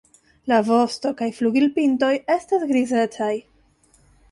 La vosto- kaj flugilpintoj estas grizecaj.